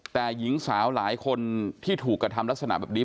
แต่หญิงสาวหลายคนที่ถูกกระทำลักษณะแบบนี้